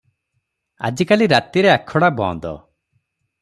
ଆଜିକାଲି ରାତିରେ ଆଖଡ଼ା ବନ୍ଦ ।